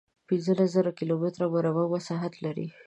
پنځلس زره کیلومتره مربع مساحت لري.